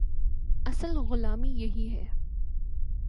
اصل غلامی یہی ہے۔